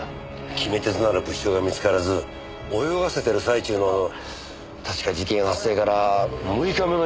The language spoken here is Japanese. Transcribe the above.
決め手となる物証が見つからず泳がせてる最中の確か事件発生から６日目の夜でした。